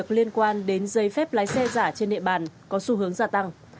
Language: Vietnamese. giấy phép lái xe giả trên địa bàn có xu hướng gia tăng